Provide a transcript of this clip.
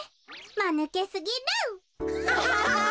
まぬけすぎる。